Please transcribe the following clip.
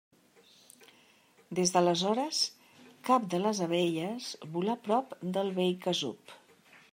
Des d'aleshores, cap de les abelles volà prop del vell casup.